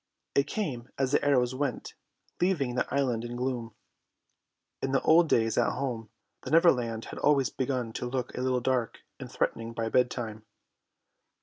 It came as the arrows went, leaving the island in gloom. In the old days at home the Neverland had always begun to look a little dark and threatening by bedtime.